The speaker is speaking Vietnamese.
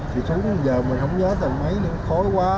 thì xuống giờ mình không nhớ từ mấy năm khói quá